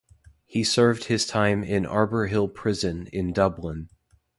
He served his time in Arbour Hill Prison in Dublin.